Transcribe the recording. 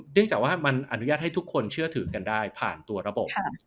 จากว่ามันอนุญาตให้ทุกคนเชื่อถือกันได้ผ่านตัวระบบ